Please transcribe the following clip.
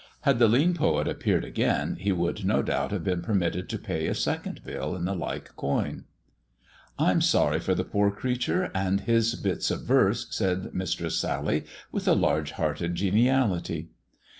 Had the lean poet appeared again, he would no doubt have been permitted to pay a second bill in the like coin. " Tm sorry for the poor creature and his bits of verse," said Mistress Sally, with a large hearted geniality.